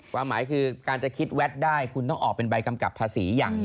ความหมายคือการจะคิดแวดได้คุณต้องออกเป็นใบกำกับภาษีอย่าง